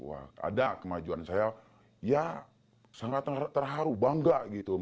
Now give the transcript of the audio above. wah ada kemajuan saya ya sangat terharu bangga gitu